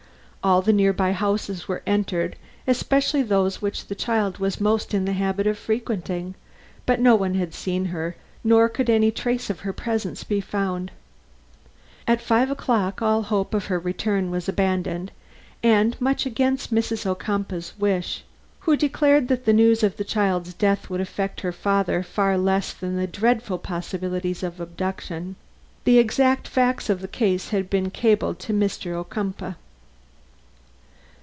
All the near by houses were entered, especially those which the child was most in the habit of frequenting, but no one had seen her, nor could any trace of her presence be found. At five o'clock all hope of her return was abandoned and, much against Mrs. Ocumpaugh's wish, who declared that the news of the child's death would affect her father far less than the dreadful possibilities of an abduction, the exact facts of the case had been cabled to Mr. Ocumpaugh.